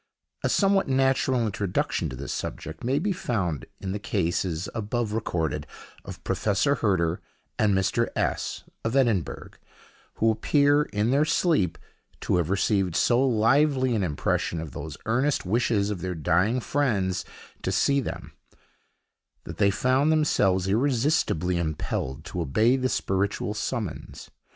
A somewhat natural introduction to this subject may be found in the cases above recorded, of Professor Herder and Mr. S——, of Edinburgh, who appear, in their sleep, to have received so lively an impression of those earnest wishes of their dying friends to see them, that they found themselves irresistibly impelled to obey the spiritual summons.